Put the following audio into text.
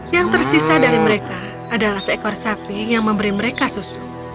yang tersisa dari mereka adalah seekor sapi yang memberi mereka susu